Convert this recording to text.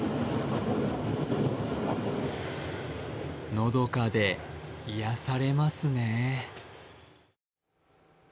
のどかで癒されますね。